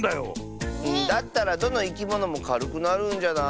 だったらどのいきものもかるくなるんじゃない？